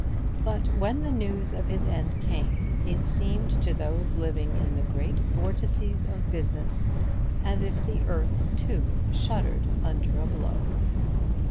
But when the news of his end came, it seemed to those living in the great vortices of business as if the earth, too, shuddered under a blow.